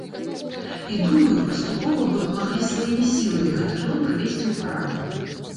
І, думаю, паступова мы б маглі сваімі сіламі гэты дом прывесці ў парадак.